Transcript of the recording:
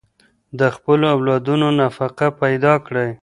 د خپلو اولادونو نفقه پيدا کړئ.